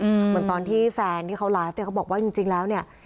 เหมือนตอนที่แฟนที่เขาไลฟ์เนี่ยเขาบอกว่าจริงจริงแล้วเนี่ย